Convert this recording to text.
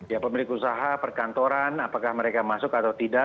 ya pemilik usaha perkantoran apakah mereka masuk atau tidak